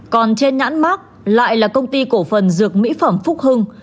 còn trên nhãn mát lại là công ty cổ phần dược mỹ phẩm phúc hưng